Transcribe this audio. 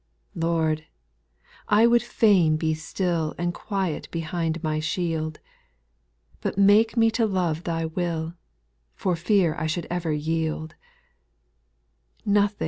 11. Lord, I would fain be still And quiet behind my shield ; But make me to love Thy will. For fear I should ever yield.